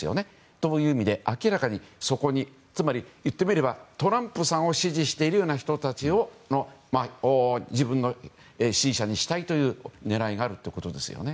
そういう意味で明らかに言ってみればトランプさんを支持しているような人たちを自分の支持者にしたいという狙いがあるってことですよね。